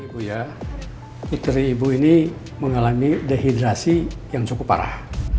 ibu ya istri ibu ini mengalami dehidrasi yang cukup parah